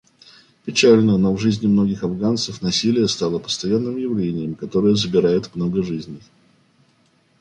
Печально, но в жизни многих афганцев насилие стало постоянным явлением, которое забирает много жизней.